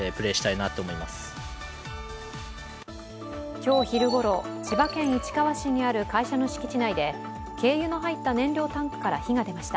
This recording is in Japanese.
今日昼ごろ、千葉県市川市にある会社の敷地内で軽油の入った燃料タンクから火が出ました。